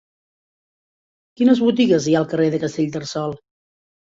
Quines botigues hi ha al carrer de Castellterçol?